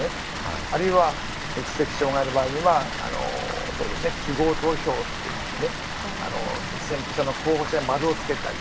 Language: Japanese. あるいは、知的障害の場合には記号投票といって選挙者が候補者に丸をつけたり。